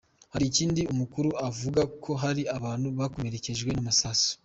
Hari kandi amakuru avuga ko hari abantu bakomerekejwe n'amasasu.